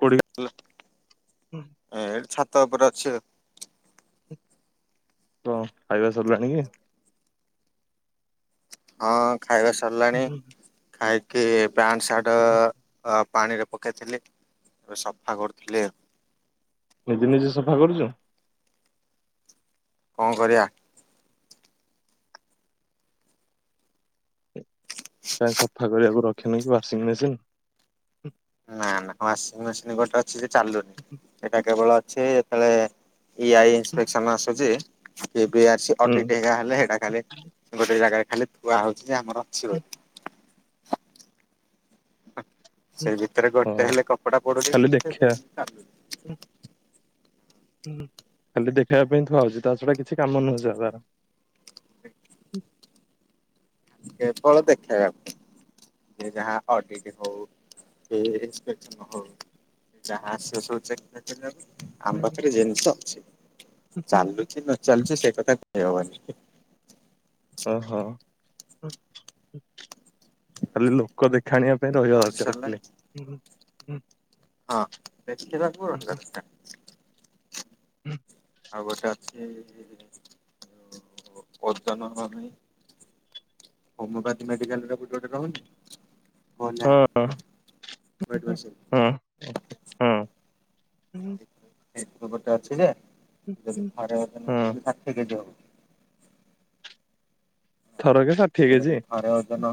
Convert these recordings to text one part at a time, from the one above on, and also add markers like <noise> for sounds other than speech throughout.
କୋଉଠି ହେଲା ଏଠି ଛାତ ଉପରେ ଅଛି ଆଉ। ହଁ ଖାଇବା ସରିଲାଣି କି? ହଁ ଖାଇବା ସରିଲାଣି ଖାଇକି ପ୍ୟାଣ୍ଟ ପ୍ୟାଣ୍ଟଶାର୍ଟ ଅ ଅ ପାଣି ରେ ପକେଇଥିଲେ ଏବେ ସଫା କରୁଥିଲେ ଆଉ। ନିଜେ ନିଜେ ସଫା କରୁଛ। କଣ କରିବା। କାଇଁ ସଫା କରିବାକୁ ରଖିନ କି ୱାସିଂ ମେସିନ। ନା ନା ୱାସିଂ ମେସିନ ଗୋଟେ ଅଛି ଯେ ଚାଲୁନି ଏଇଟା କେବଳ ଅଛି ଯେତଳେ ଆଇ ଇନ୍ସପେକ୍ସନ ଆସୁଛି। ଏବେ ଆସି ହୁଁ ଅଡିଟ ଏହା ହେଲେ ସେଟା ଖାଲି ଗୋଟେ ଜାଗାରେ ଖାଲି ଥୁଆ ହଉଛି। ଆମର ଅଛି ବୋଲି। ହ ସେଇ ଭିତରେ ହଁ ଗୋଟେ ହେଲେ କପଡା ପଡୁନି ଖାଲି କି ଦେଖିବା ଚାଲୁନି। ହୁଁ ଖାଲି ଦେଖେଇବା ପାଇଁ ଥୁଆ ହଉଛି, ତା ଛଡା କିଛି କାମ ନୁହେଁ ସେରା ତାର। ହୁଁ <inaudible> କେବଳ ଦେଖେଇବା ପାଇଁ। ସେ ଯାହା ଅଡ଼ିଟ ହଉ କି ଇନ୍ସପେକ୍ସନ ହଉ। ଯାହା ଆସିବ ସବୁ ଚେକ୍ କରିଦିଆଯାଉଛି। ଆମ ପାଖରେ ଜିନିଷ ଅଛି ଚାଲୁ କି, ନ ଚାଲୁଛି, ସେ ତ ତାକୁ ଦେଇହବନି। ଓହୋ, ଖାଲି ଲୋକ ଦେଖା ଖାଣିବା ପାଇଁ ରହିବା ବଢି ଦରକାର ଖାଲି। ସାରିଲାଣି ହଁ ଦେଖିବାକୁ <unintelligible> ହୁଁ ଆଉ ଗୋଟେ ଅଛି ଓଜନ ନାହିଁ। ହୋମିଓପାଥି ମେଡିକାଲଟା କୋଉଠି ଗୋଟେ ରହୁନି। ହଁ <unintelligible> ହୁଁ। ଟିସୁପେପର ଟା ଅଛି ଯେ ଯଦି ଥରେ ଅଧେ ଓଜନ ହଁ କଲେ ଷାଠିଏ କେଜି ହବ। ଥର କେ ଷାଠିଏ ତ ଯଦି କେଜି। ଥରେ ଓଜନ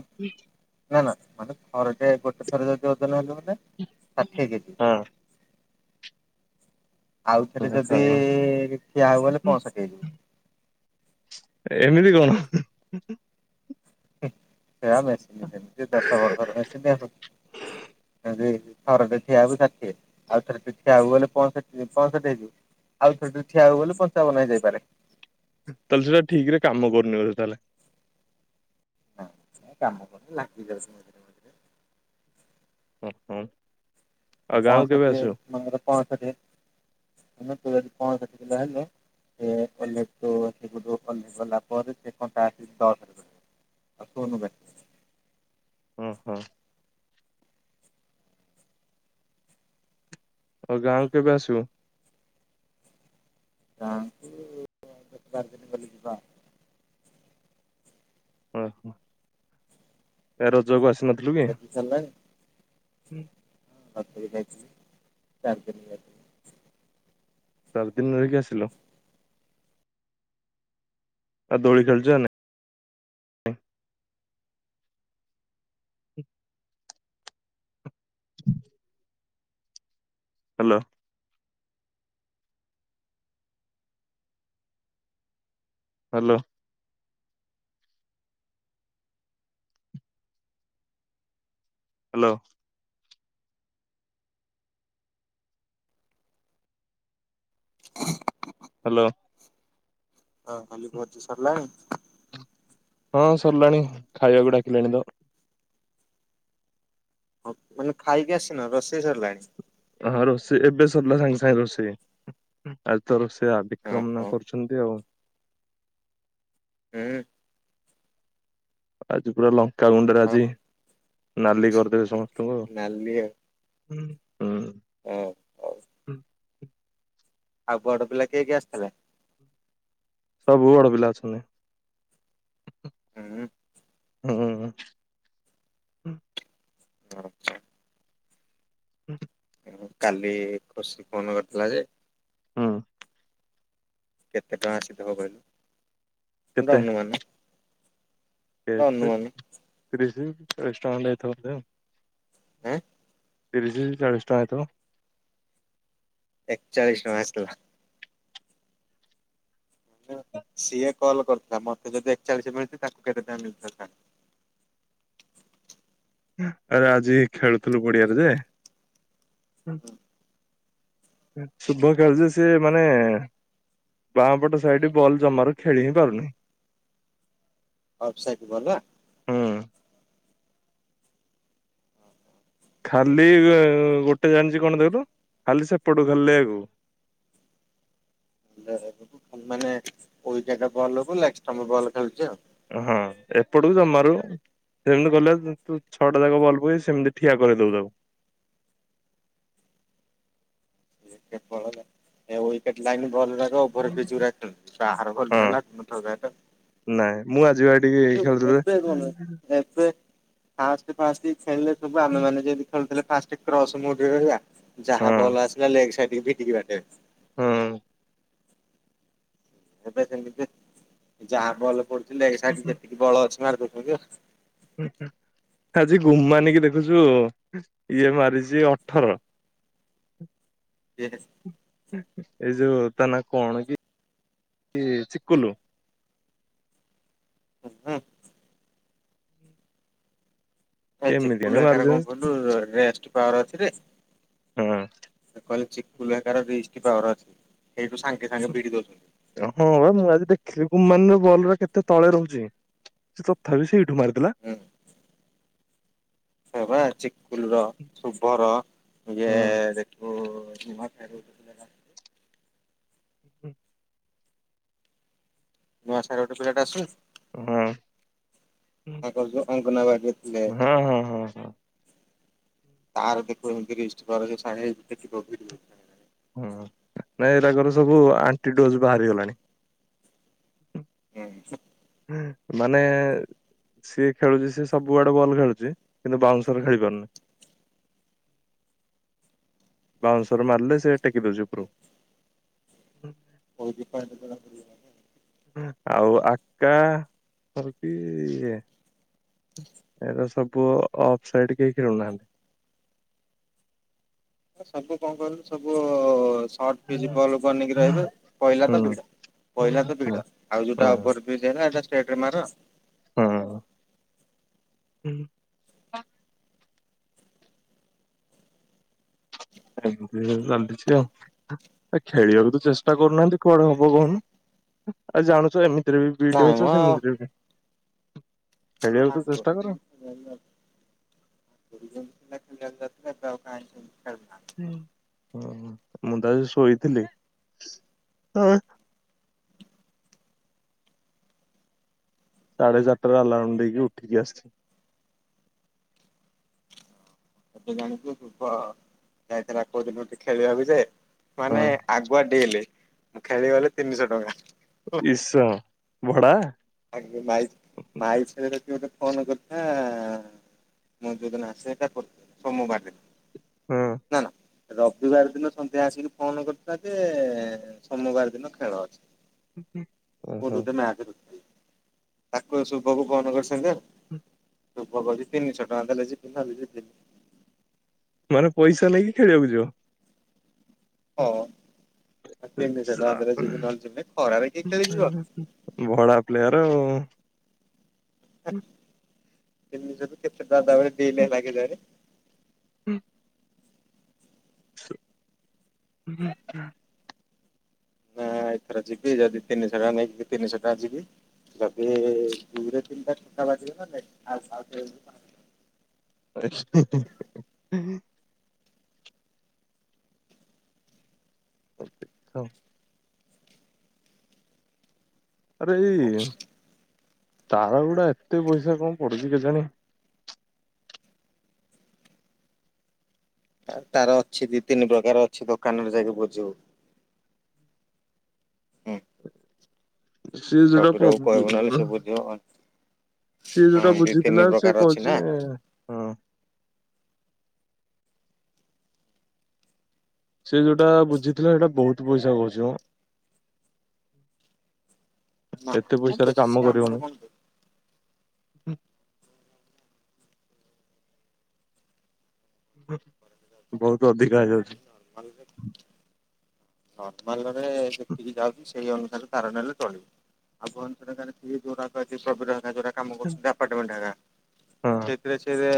ନା ନା ମାନେ ଥରଟେ ଗୋଟେ ଥରେ ଯଦି ଓଜନ ହେଲୁ ହୁଁ। ଆଉଥରେ, ଯଦି ହଁ। ଠିଆ ହବ ଗଲେ ପଅଁଷଠି ହେଇଯିବ। ଏମିତି କଣ? ହୁଁ ଏହା ମେସିନ୍ ସେମିତି ଦଶ ବର୍ଷର ମେସିନ୍ ଆଉ କଣ ଯଦି ଥରକେ ଠିଆହବୁ ଷାଠିଏ ଆଉ ଥରେ ଠିଆବୁ ଗଲେ ପଅଁଷଠି, ପଅଁଷଠି ହେଇଯିବୁ। ଆଉ ଥରେ ଯଦି ଠିଆ ହବୁ ବୋଲି, ପଞ୍ଚାବନ ହେଇଯାଇପାରେ। ତାହେଲେ ସେଟା ଠିକ୍ ରେ କାମ କରୁନି ବୋଧେ ତାହେଲେ। ନା, ଏହା କାମ କରୁନି ଲାଗିଯାଉଛି ମଝିରେ ମଝିରେ। ହୁଁ ହୁଁ। ପଅଁଷଠି ମନେକର ପଅଁଷଠି, ମାନେ ଯଦି ପଅଁଷଠି କିଲୋ ହେଲେ। ସେ ଓ୍ଲେଖଠୁ <unintelligible> ଅଶି ଫୁଟ ଉପର ଗଲା ପରେ ସେ କଣ୍ଟା ଆସି ଦଶ ରେ ରହିବ। <unintelligible> ହୁଁ ହଉ। ଆପଣ ଗାଁକୁ କେବେ ଆସିବ? ଯାଆନ୍ତୁ ଡାର୍ଜିଲିଂ ବୋଲି ଯିବା। <unintelligible> ଉ ହୁ, ଏ ରଜକୁ ଆସି----। ବି ଚାଲିଲ <unintelligible> ହୁଁ ହଁ ଯଥିଲ ଚାର ଯ <unintelligible> ଚାରିଦିନ ରହିକି ଆସିଲ। ଆଉ ଦୋଳି ଖେଳଛ <unintelligible> ହାଲୋ ହାଲୋ ହାଲୋ <unintelligible> ହାଲୋ ହ ଖାଲି ଭଜ <unintelligible> ସରିଲାଣି ହଁ ସରିଲାଣି ଖାଇବାକୁ ଡାକିଲେଣି ତ। ହଉ ମାନେ ଖାଇକି ଆସିନ ରୋଷେଇ ସରିଲାଣି। ହଁ ରୋଷେଇ ଏବେ ସରିଲା ସାଙ୍ଗେ ସାଙ୍ଗେ ରୋଷେଇ ଆଜି ତ ରୋଷେଇଆ ବିକ୍ରମ ଓହୋ ନା କରୁଛନ୍ତି ଆଉ। <inaudible> ହୁଁ। ଆଜି ପୁରା ଲଙ୍କାଗୁଣ୍ଡରେ ହ ଆଜି ନାଲି କରିଦେବେ ସମସ୍ତେ଼ ନାଲି ଆଉ। ହଁ। ହଉ ହଉ ଆଉ ବଡ଼ ପିଲା କିଏ କିଏ ଆସିଥିଲେ। ସବୁ ବଡ଼ ପିଲା ଅଛନ୍ତି। ହୁଁ। ହୁଁ। <unintelligible> କାଲି ଖୁସି ଫୋନ କରିଥିଲା ଯେ ହୁଁ। କେତେ ଟଙ୍କା ଆସିଥିବ କହିଲୁ ସେଟା କେତେ ଅନୁମାନ। ଗୋଟେ ଅନୁମାନ <unintelligible> ବୋଧେ। ଆଁ। ତିରିଶ ଚାଳିଶ ଟଙ୍କାତ ଏକଚାଳିଶ ଟଙ୍କା ଆସଲା। ସିଏ କଲ୍ କରିଥିଲା ମତେ ଯଦି ଏକଚାଳିଶ ମିଳଚି ତାଙ୍କୁ କେତେ ଟଙ୍କା <inaudible> ଆରେ ଆଜି ଖେଳୁଥିଲୁ ପଡିଆରେ ଯେ ଶୁଭକାର୍ଯ୍ୟ ସେ ମାନେ ବାଁପଟ ସାଇଡ ବଲ୍ ଜମାରୁ ଖେଳି ହିଁ ପାରୁନି। Offside ball? ହୁଁ ଖାଲି ଗୋଟେ ଜାଣିଛି କଣ ଦେଖିଲୁ ଖାଲି ସେପଟକୁ ଖେଲିଲେ ଆକୁ <inaudible> ମାନେ ଜାଗା ବଲ୍ ହବ ଲେଗଷ୍ଟମ୍ପ ବଲ୍ ଖେଳୁଛି ଆଉ ହଁ ଏପଡ ଜମାରୁ ସେମିତି କଲେ ତୁ ଛଅଟା ଯାକ ଭଲ ପକେଇ ସେମିତି ଠିଆ କରେଇ ଦବୁ ତାକୁ। <inaudible> ଗୋଟେ ପଳେଇଲା ଉଇକେଟ ଲାଇନ ବଲ ଯାକ ଓଭରପିଚ ଗୁରା ଖେଳୁଛି ହଁ <unintelligible> ନାଇଁ ମୁଁ ଆଜିିବ ଆ ଟିକେ ଖେଳୁଥିଲି ଏବେ <unintelligible> ଏବେ ଫାଷ୍ଟ ଫାଷ୍ଟ ଖେଳିଲେ ସବୁ ଆମେମାନେ ଯେନ୍ତି ଖେଳୁଥିଲେ ଫାଷ୍ଟ କ୍ରସ ମୋଡ଼ରେ ରହିବା। ହଁ ଯାହା ବଲ ଆସିଲା ଲେଗ ସାଇଡ ଭିଡିକି ବାଡେଇବ। ହୁଁ। ଏବେ ଯେମିତି ଯାହା ବଲ୍‌ ପଡୁଥିଲ ଏ ସାଇଡ୍‌ ଯେତିକି ବଳ ଅଛି ମାରଦେଉଛନ୍ତି। ହୁଁ ହୁଁ। ଆଜି ଗୁମାନୀ କି ଦେଖୁଛୁ ଇଏ ମାରିଛି ଅଠର। <inaudible> <unintelligible> ଏଇ ଯୋଉ ତା ନା କଣ କି ଏ ଚିକୁଲୁ। ହୁ ହୁଁ। ଏ କେମିତି ଆଣି ଚିକୁଲ ହେକାର କଣ ମାରୁଛନ୍ତି? କହିଲୁ ରେଷ୍ଟ ପାୱାର ଅଛିରେ। କହିଲି ଚିକୁଲ ହେକାର ରିଷ୍ଟ ପାୱର ଅଛି ସେଇଠୁ ସାଙ୍ଗେ ସାଙ୍ଗେ ବିଡି ଦଉଛନ୍ତି। ହଁ ମୁଁ ଆଜି ଦେଖିଲି ଗୁମାନୀର ବଲର କେତେ ତଳେ ରହୁଛି ତଥାପି ସେଇଠୁ। ମାରିଦେଲା। ହୁଁ ସେ ବା ଚିକୁଲ ର ଶୁଭର ଇଏ ହୁଁ ଦେଖିବୁ। ମା ଫେର ତ <unintelligible> ହୁ। ନୂଆ ସାହିରଟେ ପିଲାଟେ ଆସୁନି। ହୁଁ। ତାଙ୍କର ଯୋ ଅଙ୍ଗନ ଭାଗିଥିଲେ। ହଁ ହଁ ହଁ ତାର ଦେଖିବୁ ଏମତି ରିଷ୍ଟ କରାଯାଇ ସାଡ଼େ ଦେଖି ପାରୁଥିବେ। ହଁ ନାଇଁ ଏଗୁରାଜର ସବୁ ଆଣ୍ଟି ତୋଜ୍‌ ବାହାରିଗଲାଣି। ହଁ। ମାନେ ଏ। ସିଏ ଖେଳୁଛି ସିଏ ସବୁଆଡେ ବଲ୍ ଖେଳୁଛି କିନ୍ତୁ ବାଉନସର ଖେଳି ପାରୁନି। ବାଉଁଶରେ ମାରିଲେ ସେ ଟେକିଦଉଛି ଉପରକୁ। <unintelligible> ଆଉ ଆକା କହୁଛି ଇଏ। ଏଟ ସବୁ ଅଫ୍ ସାଇଡ କେହି ଖେଳୁନାହାନ୍ତି। ସବୁ କଣ କହିଲୁ ସବୁ ସଟ୍ ପିଚ୍ ବଲ ବନକି ରହିବେ ପଇଲା ତ ହୁଁ ଭିଡ। ପହିଲା ତ ଭିଡ ଆଉ ହୁଁ ଯୋଉଟା ଓବର ବ୍ରିଜ ହେଲା ସେଟା ଷ୍ଟେଟରେ ମାର। ହୁଁ <unintelligible> ଏମତି ଚାଲିଚି ଆଉ ଖେଳିବାକୁ ତ ଚେଷ୍ଟା କରୁନାହାନ୍ତି କୁଆଡେ ହବ ବଲ୍‌। ଏ ଜାଣୁଚ ଏମିତିରେ ବି <unintelligible> ନାଇଁ ମ ହଉଛ ସେମିତିରେ ବି ଖେଳିବାକୁ ତ ହାଟ୍ ଚୋ ଚେଷ୍ଟା କର। <unintelligible> ମୁଁ ତ ଆଜି ଶୋଇଥିଲି। ସାଢେ଼ ଚାରିଟା ରେ ଆଲାରାମ୍ ଦେଇକି ଉଠିକି ଆସିଛି। ଏତେ ଜାଣିଛୁ ଯାଇଥିଲା କୋଉ ଦିନ ଟିକେ ଖେଳିବାକୁ ଯେ ମାନେ ହଁ ଆଗୁଆ ଡେଇଁଲେ ଖେଳିଗଲେ ତିନିଶହ ଟଙ୍କା। ଇଷ ଭଡ଼ା। <unintelligible> ଯଦି ମତେ ଫୋନ କରିଥା ମୁଁ ଯୋଉଦିନ ଆସିବାଟା ସୋମବାରେ । ହଁ। ରବିବାର ଦିନ ସନ୍ଧ୍ୟା ଆସିକି ଫୋନ କରିଥିଲା ଯେ ସୋମବାର ଦିନ ଖେଳ ଅଛି। ମୁଁ ଓହୋ। ଯୋଜନା ଆଜି କରିଚି ତାକୁ ଶୁଭକୁ ଫୋନ <unintelligible> ହୁଁ। ଶୁଭ କହିଚି ତିନିଶହ ଟଙ୍କା ଦେଲେ ଯିବି ନହେଲେ ଯିବିନି। ମାନେ ପଇସା ନେଇକି ଖେଳିବାକୁ ଯିବ। ହଁ। ତିନିଶହ ଟଙ୍କା ଦେଲେ ଯିବି ନହେଲେ ଯିବିନି ଖରାରେ କିଏ ଖେଳିଯିବ ଭଡ଼ା ପ୍ଲେୟର ଆଉ। <inaudible> <unintelligible> ସେ ନିଜର କେତେ <unintelligible> ହୁଁ ହୁଁ। ନା ଏଥର ଯିବି ଯଦି ତିନିଶହ ଟଙ୍କା ନେଇକି ତିନିଶହ ଟଙ୍କା ଯିବି। ଯଦି ଦୁଇରେ ତିନିଟା ଛକା ବାଜିଗଲା ଦେନ୍ ଆଉ ଆଉଥରେ ଯିବି। <unintelligible> <unintelligible> ଆରେ ଏଇ। ତାର ଗୁଡ଼ା ଏତେ ପଇସା କଣ ପଡୁଛି କେଜାଣି। ତାର ଅଛି ଦି ତିନି ପ୍ରକାର ଅଛି ଦୋକାନରେ ଯାଇକି ବୁଝିବୁ। ହୁଁ। ସେ ଯେଟା ବବିରକୁ କହିବୁ ପବ୍ଲିକ ନହେଲେ ସେ ବୁଝିବ ହଁ - - ସିଏ ଯୋଉଟା ଦି ତିନି ବୁଝିଥିଲା ସେ ପ୍ରକାର ଅଛି ନା। କହୁଛି ହଁ। ସେ ଯୋଉଟା ବୁଝିଥିଲା ସେଇଟା ବହୁତ୍ ପଇସା କହୁଛି ମ। ନା ଏତେ ମ ପଇସାରେ ବେଶୀ କାମ ଆମର କରିହଉନି। କଣ ବେଶୀ <unintelligible> ବହୁତ୍ ଅଧିକା ହେଇଯାଉଛି। <unintelligible> ନର୍ମାଲ ରେ ଦେଖିକି ଯାଉଛି ସେଇ ଅନୁସାରେ ତାରଟା <unintelligible> ଚଳିବ। ଆଉ <unintelligible> ଯୋରାକ କାମ କରୁଛନ୍ତି ଆପାର୍ଟମେଣ୍ଟ୍ ହେଇକା ହଁ ସେଇଥିରେ ସିଏ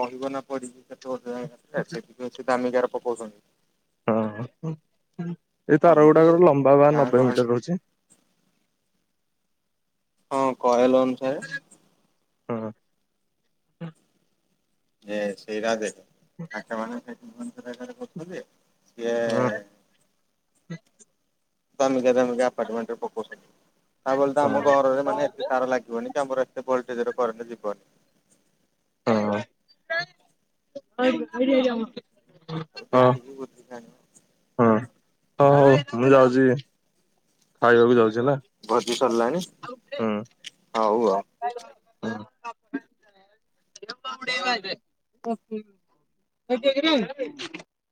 ରହିବ ନା ପଡିି <unintelligible> ଅଛି ଦାମିକିଆର ପକଉଛନ୍ତି‌। ହଁ। ଏଇ ତାର ଆମର ଗୁଡ଼ାକ ଏଇ ର ଲମ୍ବା ବା ଗାଁ ନବେ ଗହଳି ମିଟର ରହୁଛି। ହଁ କଏଲ ଅନୁସାରେ। ହଁ। ଏ ସେରା <unintelligible> ସେ ଦାମିକିଆ ହଁ ଦାମିକିଆ ଆପାର୍ଟମେଣ୍ଟ୍ ରେ ପକଉଚନ୍ତି। ତା ବୋଲି ତ ହଁ ଆମ ଘରରେ ହଁ ମାନେ ଏତେ ତାର ଲାଗିବନି କି ଆମର ଏତେ ଭୋଲ୍ଟେଜ୍ ରେ କରେଣ୍ଟ ଯିବନି। ହଁ <inaudible> ଆଉ ଦେଖିକି ବୁଝିପାରୁନି। ହଁ ହଉ ହଉ ମୁଁ ଯାଉଛି ଖାଇବାକୁ ଯାଉଛି। ଭୋଜି ସରିଲାଣି ହଉ ଆଉ। ଦେଲାନି ହୁଁ। ହୁଁ। <inaudible>